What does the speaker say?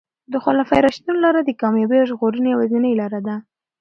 د خلفای راشدینو لاره د کامیابۍ او ژغورنې یوازینۍ لاره ده.